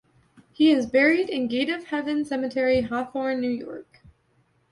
He is buried in Gate of Heaven Cemetery, Hawthorne, New York.